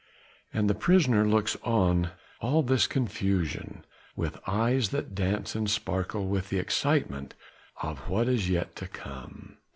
And the prisoner looks on all this confusion with eyes that dance and sparkle with the excitement of what is yet to come.